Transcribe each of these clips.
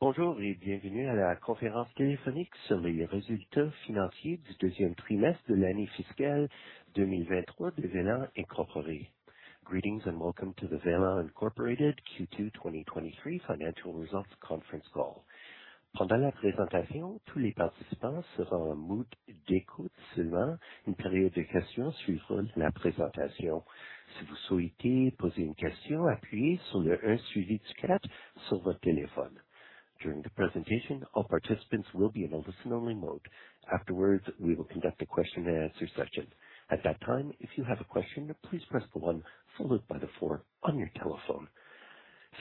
Bonjour et bienvenue à la conférence téléphonique sur les résultats financiers du deuxième trimestre de l'année fiscale 2023 de Velan Inc. Greetings and welcome to the Velan Inc. Q2 2023 financial results conference call. Pendant la présentation, tous les participants seront en mode d'écoute seulement. Une période de questions suivra la présentation. Si vous souhaitez poser une question, appuyez sur le one suivi du four sur votre téléphone. During the presentation, all participants will be in a listen-only mode. Afterwards, we will conduct a question and answer session. At that time, if you have a question, please press the one followed by the four on your telephone.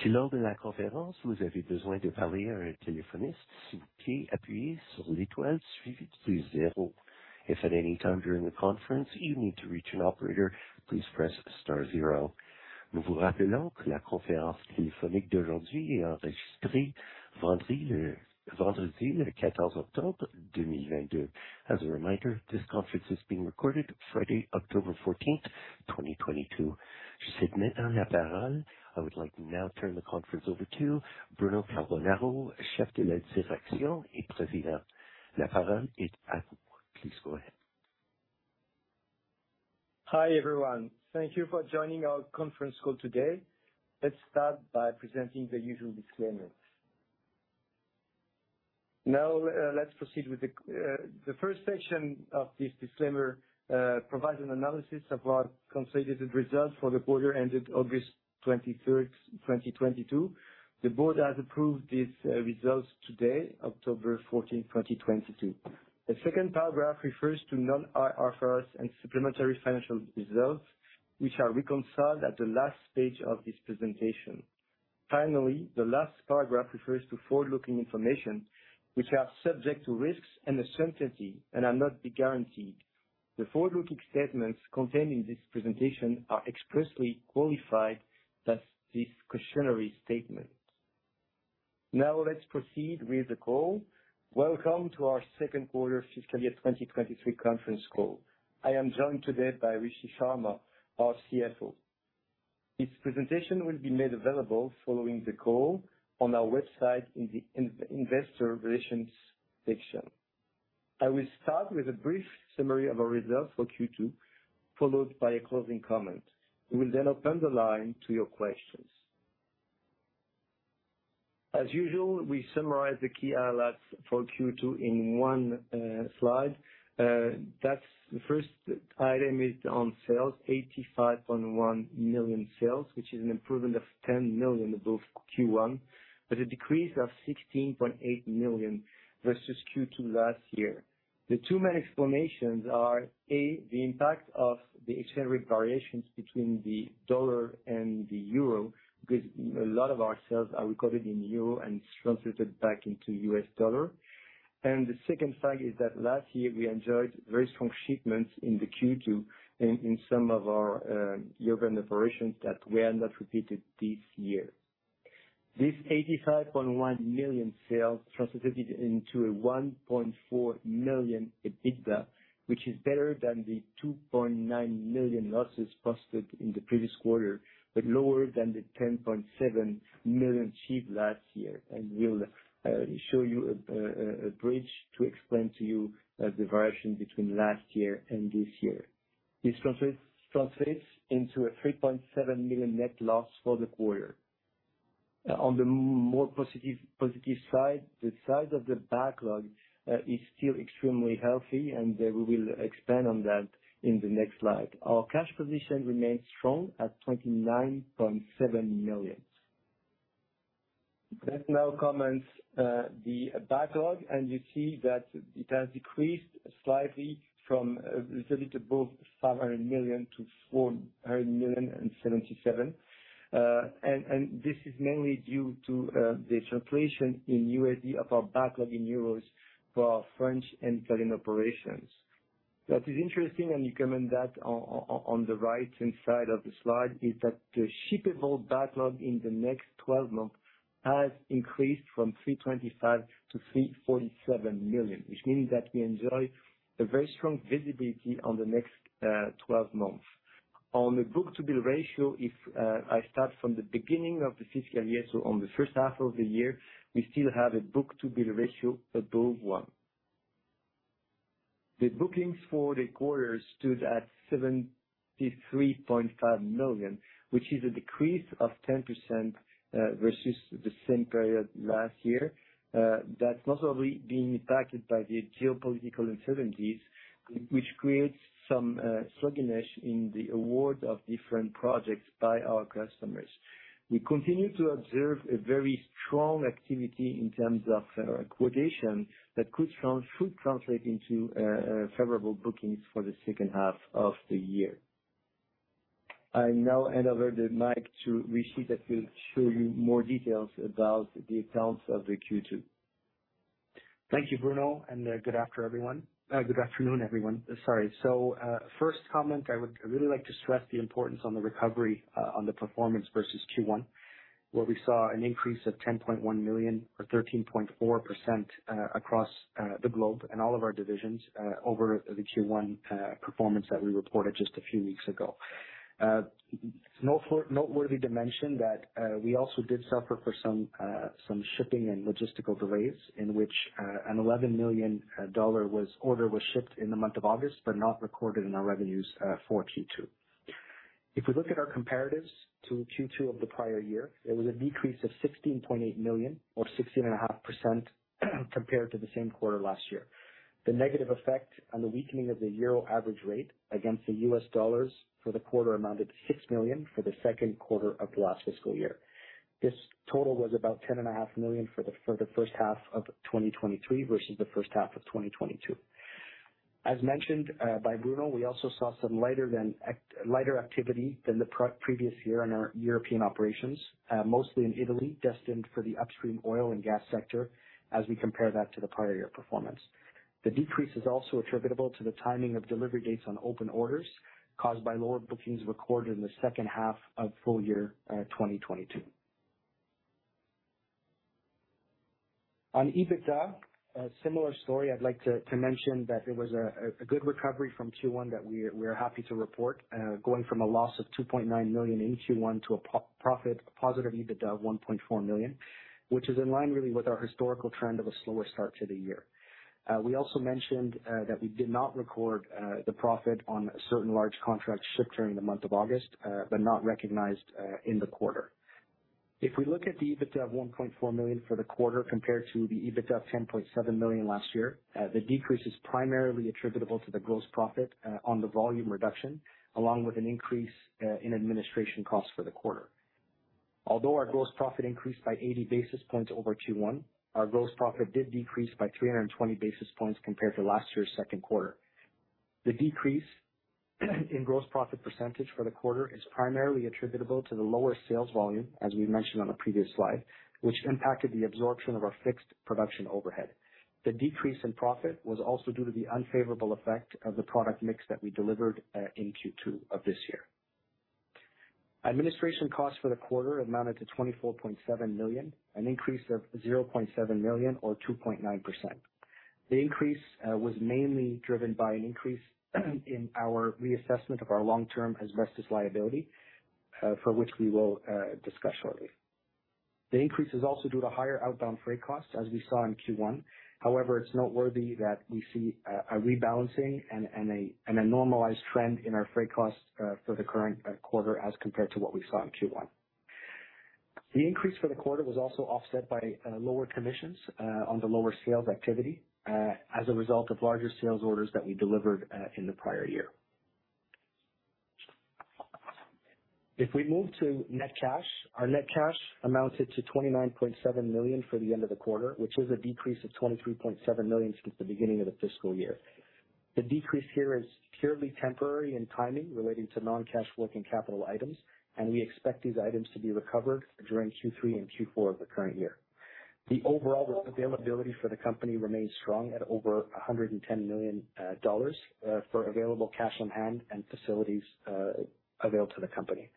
Si lors de la conférence, vous avez besoin de parler à un téléphoniste, s'il vous plaît appuyez sur l'étoile suivie de zero. If at any time during the conference you need to reach an operator, please press star zero. Nous vous rappelons que la conférence téléphonique d'aujourd'hui est enregistrée vendredi le quatorze octobre deux mille vingt-deux. As a reminder, this conference is being recorded Friday, October fourteenth, twenty twenty-two. Je cède maintenant la parole. I would like to now turn the conference over to Bruno Carbonaro, chef de la direction et président. La parole est à vous. Please go ahead. Hi, everyone. Thank you for joining our conference call today. Let's start by presenting the usual disclaimers. Now, let's proceed with the first section of this disclaimer, provides an analysis of our consolidated results for the quarter ended August 23rd, 2022. The board has approved these results today, October 14th, 2022. The second paragraph refers to non-IFRS and supplementary financial results, which are reconciled at the last stage of this presentation. Finally, the last paragraph refers to forward-looking information, which are subject to risks and uncertainty and are not guaranteed. The forward-looking statements contained in this presentation are expressly qualified by this cautionary statement. Now let's proceed with the call. Welcome to our second quarter fiscal year 2023 conference call. I am joined today by Rishi Sharma, our CFO. This presentation will be made available following the call on our website in the investor relations section. I will start with a brief summary of our results for Q2, followed by a closing comment. We will then open the line to your questions. As usual, we summarize the key highlights for Q2 in one slide. That's the first item is on sales, 85.1 million sales, which is an improvement of 10 million above Q1, but a decrease of 16.8 million versus Q2 last year. The two main explanations are, A, the impact of the exchange rate variations between the dollar and the euro, because a lot of our sales are recorded in euro and translated back into US dollar. The second fact is that last year we enjoyed very strong shipments in the Q2 in some of our European operations that were not repeated this year. These 85.1 million sales translated into a 1.4 million EBITDA, which is better than the 2.9 million losses posted in the previous quarter, but lower than the 10.7 million achieved last year. We'll show you a bridge to explain to you the variation between last year and this year. This translates into a 3.7 million net loss for the quarter. On the more positive side, the size of the backlog is still extremely healthy, and we will expand on that in the next slide. Our cash position remains strong at 29.7 million. Let's now comment the backlog, and you see that it has decreased slightly from a little above 500 million to 477 million. This is mainly due to the translation in USD of our backlog in euros for our French and Italian operations. What is interesting, and you comment that on the right-hand side of the slide, is that the shippable backlog in the next 12 months has increased from 325 million to 347 million, which means that we enjoy a very strong visibility on the next 12 months. On the book-to-bill ratio, if I start from the beginning of the fiscal year, so on the first half of the year, we still have a book-to-bill ratio above one. The bookings for the quarter stood at 73.5 million, which is a decrease of 10% versus the same period last year. That's mostly being impacted by the geopolitical uncertainties, which creates some sluggishness in the award of different projects by our customers. We continue to observe a very strong activity in terms of quotation that should translate into favorable bookings for the second half of the year. I now hand over the mic to Rishi that will show you more details about the accounts of the Q2. Thank you, Bruno, and good afternoon, everyone. Sorry. First comment, I would really like to stress the importance of the recovery on the performance versus Q1, where we saw an increase of 10.1 million or 13.4% across the globe and all of our divisions over the Q1 performance that we reported just a few weeks ago. Noteworthy to mention that we also did suffer from some shipping and logistical delays in which a 11 million dollar order was shipped in the month of August, but not recorded in our revenues for Q2. If we look at our comparatives to Q2 of the prior year, there was a decrease of 16.8 million or 16.5% compared to the same quarter last year. The negative effect on the weakening of the euro average rate against the US dollars for the quarter amounted 6 million for the second quarter of last fiscal year. This total was about 10.5 million for the first half of 2023 versus the first half of 2022. As mentioned by Bruno, we also saw some lighter activity than the previous year in our European operations, mostly in Italy, destined for the upstream oil and gas sector as we compare that to the prior year performance. The decrease is also attributable to the timing of delivery dates on open orders caused by lower bookings recorded in the second half of full year 2022. On EBITDA, a similar story. I'd like to mention that it was a good recovery from Q1 that we are happy to report, going from a loss of 2.9 million in Q1 to a profit, a positive EBITDA of 1.4 million, which is in line really with our historical trend of a slower start to the year. We also mentioned that we did not record the profit on certain large contracts shipped during the month of August, but not recognized in the quarter. If we look at the EBITDA of 1.4 million for the quarter compared to the EBITDA of 10.7 million last year, the decrease is primarily attributable to the gross profit on the volume reduction, along with an increase in administration costs for the quarter. Although our gross profit increased by 80 basis points over Q1, our gross profit did decrease by 320 basis points compared to last year's second quarter. The decrease in gross profit percentage for the quarter is primarily attributable to the lower sales volume, as we mentioned on a previous slide, which impacted the absorption of our fixed production overhead. The decrease in profit was also due to the unfavorable effect of the product mix that we delivered in Q2 of this year. Administration costs for the quarter amounted to 24.7 million, an increase of 0.7 million or 2.9%. The increase was mainly driven by an increase in our reassessment of our long-term asbestos liability, for which we will discuss shortly. The increase is also due to higher outbound freight costs as we saw in Q1. However, it's noteworthy that we see a rebalancing and a normalized trend in our freight costs for the current quarter as compared to what we saw in Q1. The increase for the quarter was also offset by lower commissions on the lower sales activity as a result of larger sales orders that we delivered in the prior year. If we move to net cash, our net cash amounted to 29.7 million for the end of the quarter, which is a decrease of 23.7 million since the beginning of the fiscal year. The decrease here is purely temporary in timing relating to non-cash working capital items, and we expect these items to be recovered during Q3 and Q4 of the current year. The overall availability for the company remains strong at over 110 million dollars for available cash on hand and facilities available to the company.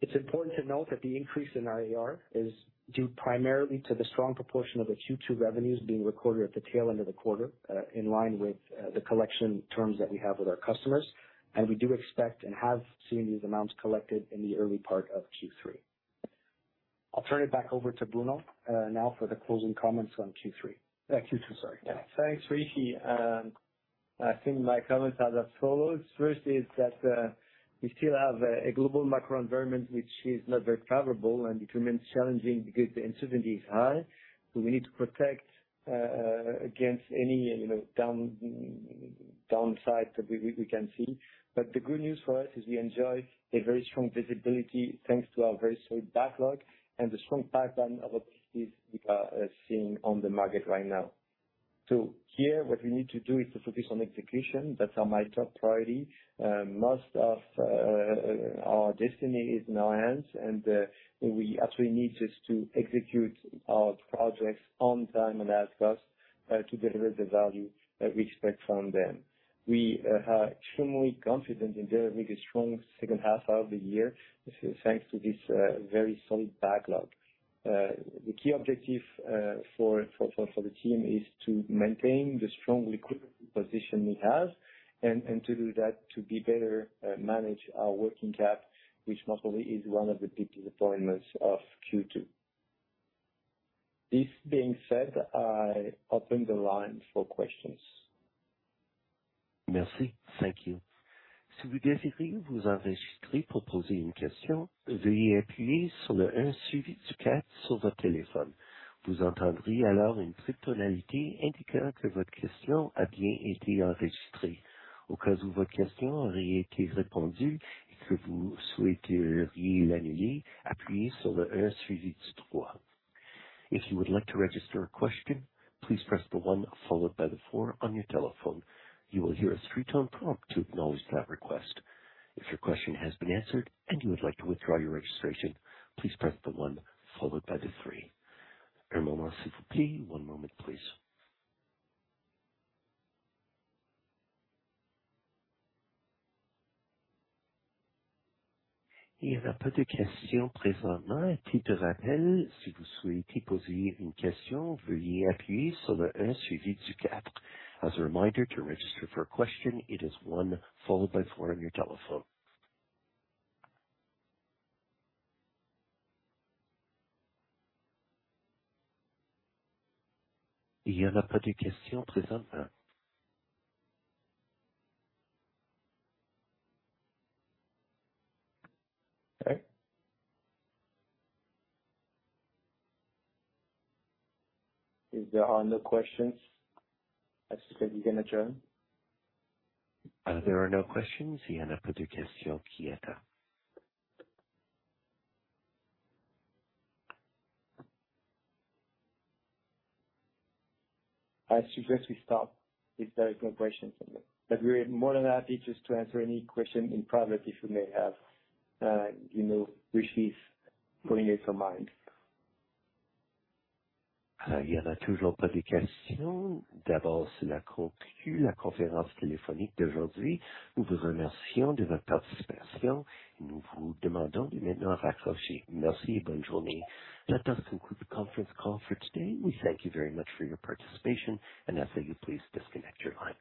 It's important to note that the increase in our AR is due primarily to the strong proportion of its Q2 revenues being recorded at the tail end of the quarter in line with the collection terms that we have with our customers. We do expect and have seen these amounts collected in the early part of Q3. I'll turn it back over to Bruno now for the closing comments on Q2, sorry. Thanks, Rishi. I think my comments are as follows. First is that we still have a global macro environment which is not very favorable and it remains challenging because the uncertainty is high. We need to protect against any, you know, downside that we can see. The good news for us is we enjoy a very strong visibility thanks to our very solid backlog and the strong pipeline of opportunities we are seeing on the market right now. Here, what we need to do is to focus on execution. That's my top priority. Most of our destiny is in our hands, and we actually need just to execute our projects on time and at cost to deliver the value we expect from them. We are extremely confident in delivering a strong second half of the year, thanks to this very solid backlog. The key objective for the team is to maintain the strong liquid position we have and to do that, to better manage our working cap, which mostly is one of the big disappointments of Q2. This being said, I open the line for questions. Merci. Thank you. If you would like to register a question, please press the one followed by the four on your telephone. You will hear a three-tone prompt to acknowledge that request. If your question has been answered and you would like to withdraw your registration, please press the one followed by the three. One moment, please. As a reminder, to register for a question, it is one followed by four on your telephone. Okay. If there are no questions, I suggest we can adjourn. There are no questions. I suggest we stop if there are no questions. We're more than happy just to answer any question in private if you may have, you know, which is going in your mind. That does conclude the conference call for today. We thank you very much for your participation and ask that you please disconnect your line.